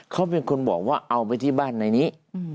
เขาเป็นคนบอกว่าเอาไปที่บ้านในนี้